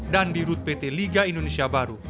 dan di rut pt liga indonesia baru